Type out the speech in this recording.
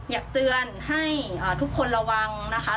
อยากเตือนให้ทุกคนระวังนะคะ